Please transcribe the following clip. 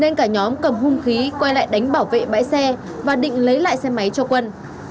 nên cả nhóm cầm hung khí quay lại đánh bảo vệ bãi xe và định lấy lại xe máy cho quân